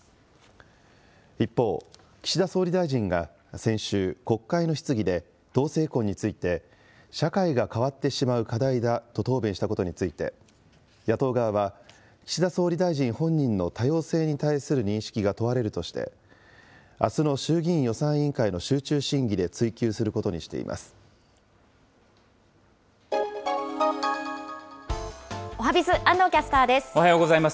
一方、岸田総理大臣が先週、国会の質疑で同性婚について、社会が変わってしまう課題だと答弁したことについて、野党側は、岸田総理大臣本人の多様性に対する認識が問われるとして、あすの衆議院予算委員会の集中審議で追及することにしています。